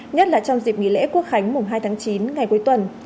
nhất là trong dịp nghỉ lễ quốc khánh mùng hai tháng chín ngày cuối tuần